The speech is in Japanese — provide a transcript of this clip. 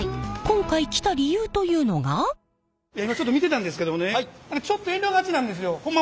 今ちょっと見てたんですけどもねちょっと遠慮がちなんですよ。